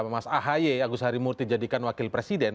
mas ahaye agus harimurti jadikan wakil presiden